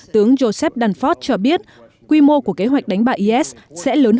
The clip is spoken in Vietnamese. tướng joseph dunford cho biết quy mô của kế hoạch đánh bại is sẽ lớn hơn